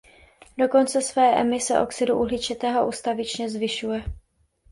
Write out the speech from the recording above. Dokonce své emise oxidu uhličitého ustavičně zvyšuje.